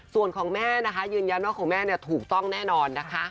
ส่วนของแม่นะคะยืนยันว่าของแม่เนี่ยถูกต้องแน่นอนนะคะ